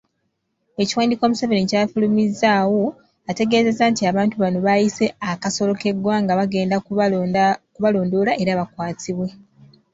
Ekiwandiiko Museveni ky’afulumizzaawo, ategeezezza nti abantu bano baayise "akasolo ke ggwanga" bagenda kubalondoola era bakwatibwe.